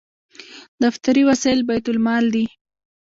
دفتري وسایل بیت المال دي